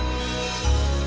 pantes ga ya